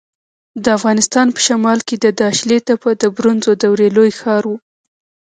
د افغانستان په شمال کې د داشلي تپه د برونزو دورې لوی ښار و